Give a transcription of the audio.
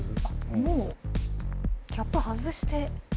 もうキャップ外して。